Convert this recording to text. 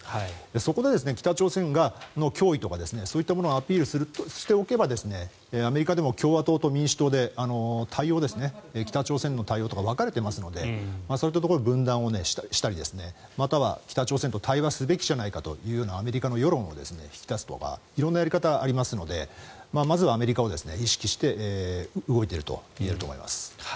そこで北朝鮮の脅威とかそういったものをアピールしておけばアメリカでも共和党と民主党で北朝鮮の対応とか分かれていますのでそういったところで分断したりまたは北朝鮮と対話すべきじゃないかというようなアメリカの世論を引き出すとか色んなやり方がありますのでまずはアメリカを意識して動いていると言えると思います。